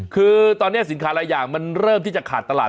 คือตอนนี้สินค้าหลายอย่างมันเริ่มที่จะขาดตลาด